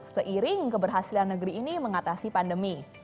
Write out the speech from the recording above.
seiring keberhasilan negeri ini mengatasi pandemi